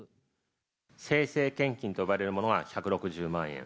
精誠献金と呼ばれるものが１６０万円。